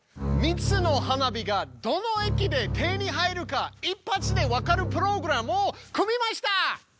３つの花火がどの駅で手に入るか一発で分かるプログラムを組みました！